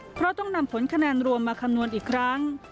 เพราะต้องนำผลคะแนนรวมมาคำนวณอีกครั้ง